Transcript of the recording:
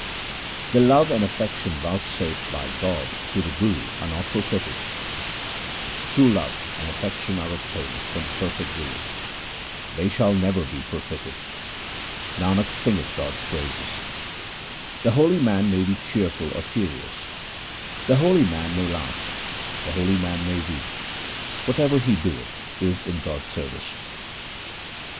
The love and affection vouchsafed by God through the Guru are not forfeited :— True love and affection are obtained from the perfect Guru ; They shall never be forfeited ; Nanak singeth God's praises. 350 THE SIKH RELIGION The holy man may be cheerful or serious :— The holy man may laugh, the holy man may weep ; Whatever he doeth is in God's service.